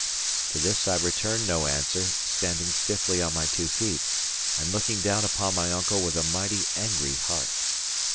To this I returned no answer, standing stiffly on my two feet, and looking down upon my uncle with a mighty angry heart.